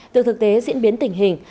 từ thực tế diễn biến tình hình